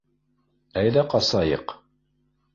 — Әйҙә ҡасайыҡ.